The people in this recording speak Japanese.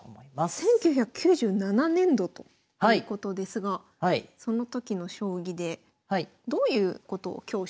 １９９７年度ということですがその時の将棋でどういうことを今日教えてくださるんですか？